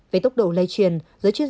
về tốc độ lây truyền